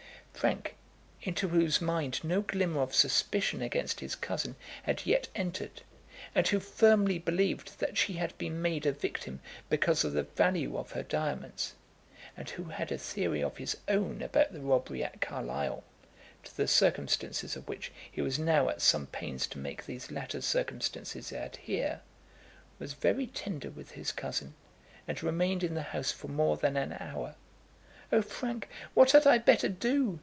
Frank, into whose mind no glimmer of suspicion against his cousin had yet entered, and who firmly believed that she had been made a victim because of the value of her diamonds, and who had a theory of his own about the robbery at Carlisle, to the circumstances of which he was now at some pains to make these latter circumstances adhere, was very tender with his cousin, and remained in the house for more than an hour. "Oh, Frank, what had I better do?"